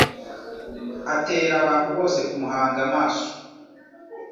Atera abantu bose kumuhanga amaso.